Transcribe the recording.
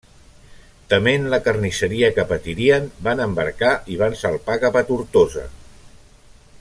Tement la carnisseria que patirien, van embarcar i van salpar cap a Tortosa.